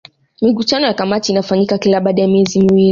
Mikutano ya kamati inafanyika kila baada ya miezi miwili